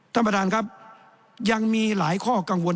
ท่านประธานครับยังมีหลายข้อกังวล